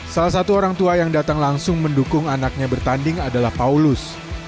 salah satu orang tua yang datang langsung mendukung anaknya bertanding adalah paulus